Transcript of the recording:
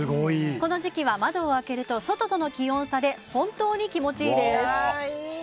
この時期は窓を開けると外との気温差で本当に気持ちいいです。